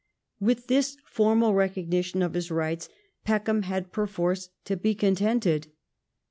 With this formal recognition of his rights Peckham had perforce to be contented.